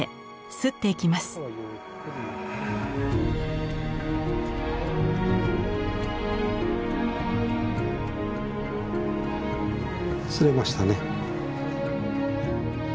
刷れましたね。